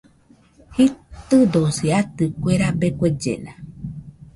Jitɨdosi atɨ, kue rabe kuellena